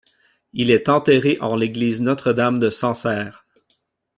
Il est enterré en l'église Notre-Dame de Sancerre.